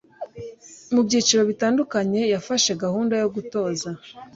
mu byiciro bitandukanye yafashe gahunda yo gutoza